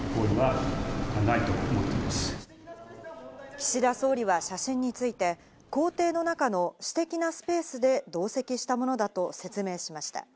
岸田総理は写真について、公邸の中の私的なスペースで同席したものだと説明しました。